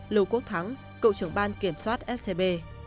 lưu quốc thắng cậu trưởng ban kiểm soát scb